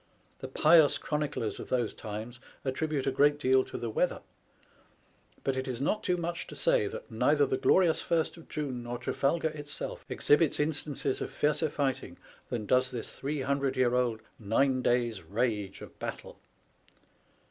The pious chroniclers of those times attribute a great deal to the weather; but it is not too much to say that neither the glorious First of June nor Trafalgar itself exhibits instances of fiercer fighting than does this three hundred year old nine days' rage of battle.